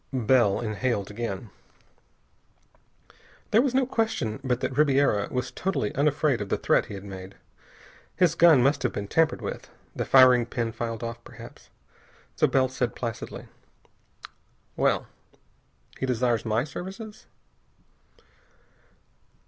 Bell inhaled again. There was no question but that Ribiera was totally unafraid of the threat he had made. His gun must have been tampered with, the firing pin filed off perhaps. So Bell said placidly: "Well? He desires my services?"